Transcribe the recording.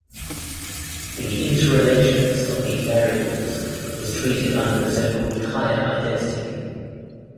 The interrelations of these variables is treated under the so-called Kaya identity.